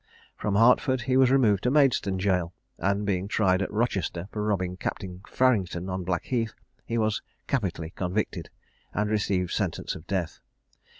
From Hertford he was removed to Maidstone jail, and being tried at Rochester for robbing Captain Farrington on Blackheath, he was capitally convicted, and received sentence of death.